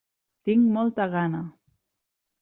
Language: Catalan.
Tinc molta gana.